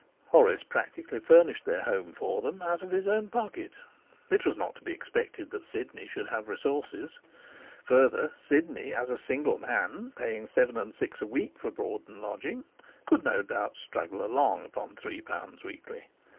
Horace practically furnished their home for them out of his own pocket; it was not to be expected that Sidney should have resources. Further, Sidney as a single man, paying seven and six a week for board and lodging, could no doubt struggle along upon three pounds weekly.